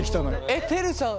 えってるさん。